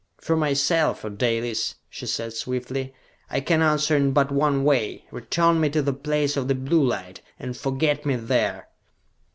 "For myself, O Dalis," she said swiftly, "I can answer in but one way. Return me to the Place of the Blue Light, and forget me there!"